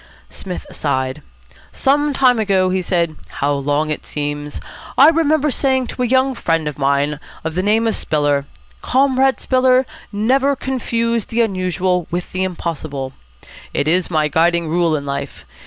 Psmith sighed. "Some time ago," he said, " how long it seems! I remember saying to a young friend of mine of the name of Spiller, 'Comrade Spiller, never confuse the unusual with the impossible.' It is my guiding rule in life.